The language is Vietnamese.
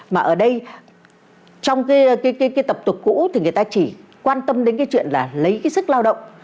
mà ở đây trong cái tập tục cũ thì người ta chỉ quan tâm đến cái chuyện là lấy cái sức lao động